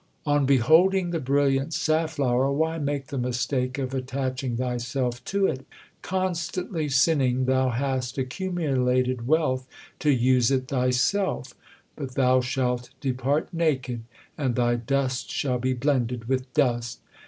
On beholding the brilliant safflower, why make the mistake of attaching thyself to it ? Constantly sinning thou hast accumulated wealth to use it thyself ; 86 THE SIKH RELIGION But thou shall depart naked, and thy dust shall be blended with dust.